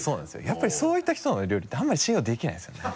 やっぱりそういった人の料理ってあんまり信用できないんですよね。